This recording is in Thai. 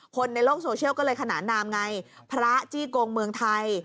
คนในโลกโซเชียลก็เลยขนานนามไงพระจี้โกงเมืองไทย